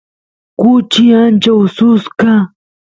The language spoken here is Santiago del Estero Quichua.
kuchi ancha ususqa